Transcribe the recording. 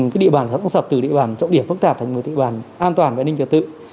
cái địa bàn xã có sập từ địa bàn trọng điểm phức tạp thành một địa bàn an toàn và an ninh trật tự